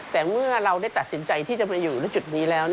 แต่เมื่อเราได้ตัดสินใจที่จะมาอยู่ในจุดนี้แล้ว